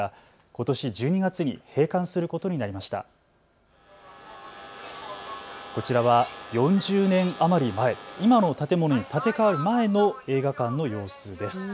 こちらは４０年余り前、今の建物に建て替わる前の映画館の様子です。